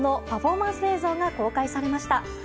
パフォーマンス映像が公開されました。